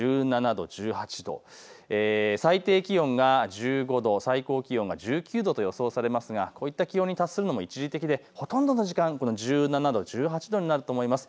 １７度、１８度、最低気温が１５度、最高気温が１９度と予想されますがこういう気温に達するのも一時的でほとんどの時間、１７度、１８度になると思います。